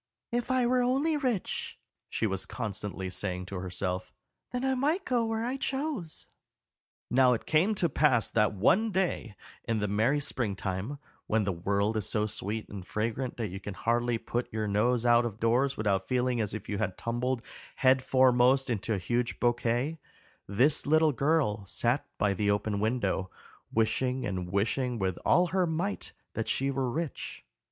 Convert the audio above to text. "If I were only rich," she was constantly saying to herself, "then I might go where I chose." Now it came to pass that one day in the merry spring time, when the world is so sweet and fragrant that you can hardly put your nose out of doors without feeling as if you had tumbled head foremost into a huge bouquet, this little girl sat by the open window, wishing and wishing with all her might that she were rich.